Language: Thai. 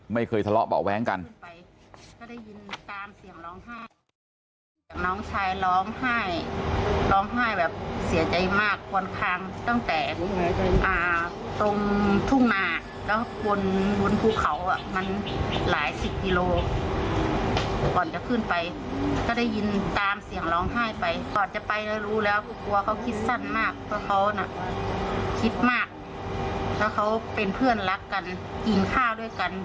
ไม่เคยทะเลาะเบาะแว้งกันไป